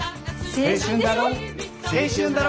青春だろ！